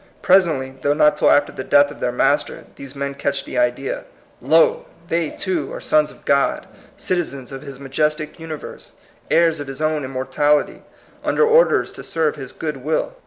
Presently, though not till after the death of their Master, these men catch the idea. Lol they, too, are sons of God, citizens of his majestic universe, heirs of his own im mortality, under orders to serve his good will.